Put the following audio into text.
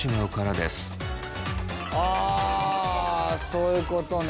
そういうことね。